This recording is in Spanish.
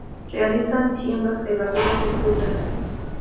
Realizan siembras de verduras y frutas.